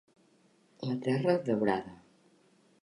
La terra daurada.